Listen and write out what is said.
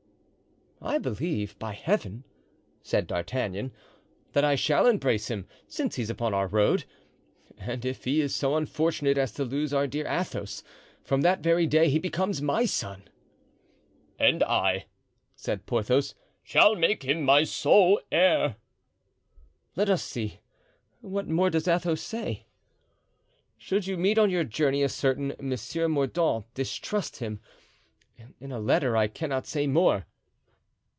"I believe, by Heaven," said D'Artagnan, "that I shall embrace him, since he's upon our road; and if he is so unfortunate as to lose our dear Athos, from that very day he becomes my son." "And I," said Porthos, "shall make him my sole heir." "Let us see, what more does Athos say?" "Should you meet on your journey a certain Monsieur Mordaunt, distrust him, in a letter I cannot say more."